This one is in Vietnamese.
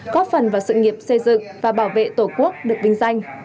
góp phần vào sự nghiệp xây dựng và bảo vệ tổ quốc được vinh danh